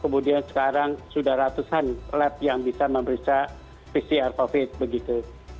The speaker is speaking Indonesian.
kemudian sekarang sudah ratusan lab yang bisa memeriksa pcr covid begitu